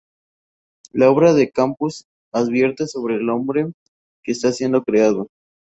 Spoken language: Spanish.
La obra de Camus advierte sobre el hombre que está siendo creado.